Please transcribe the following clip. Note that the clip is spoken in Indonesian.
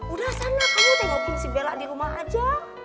udah sana kamu tengokin si bella di rumah aja